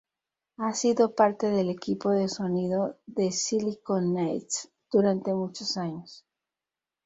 Ha sido parte del equipo de sonido de Silicon Knights durante muchos años.